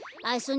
はい！